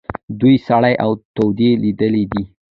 دوی سړې او تودې لیدلي دي.